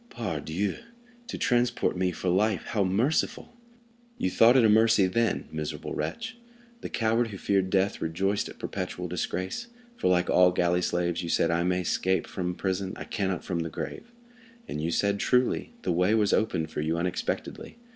"Pardieu! to transport me for life, how merciful!" "You thought it a mercy then, miserable wretch! The coward who feared death rejoiced at perpetual disgrace; for like all galley slaves, you said, 'I may escape from prison, I cannot from the grave.' And you said truly; the way was opened for you unexpectedly.